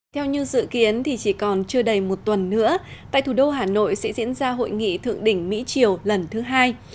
theo như dự kiến thì chỉ còn chưa đầy một tuần nữa tại thủ đô hà nội sẽ diễn ra hội nghị thượng đỉnh mỹ triều lần thứ hai